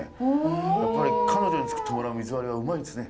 やっぱり彼女に作ってもらう水割りはうまいんすね。